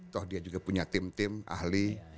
toh dia juga punya tim tim ahli